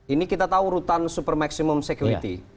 ini kita tahu rutan supermaximum security